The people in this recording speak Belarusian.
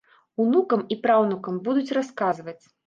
Унукам і праўнукам будуць расказваць.